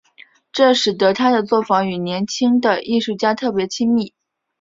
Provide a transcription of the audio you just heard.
这使得他的作坊对于年轻的艺术家特别亲密。